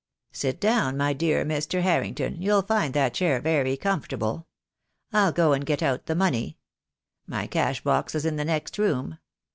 "Sit down, my dear Mr. Harrington, you'll find that chair very comfortable. I'll go and get out the money. My cash box is in the next room.